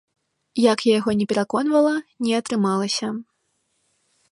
Як я яго не пераконвала, не атрымалася.